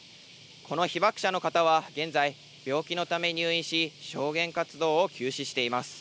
この被爆者の方は現在、病気のため入院し、証言活動を休止しています。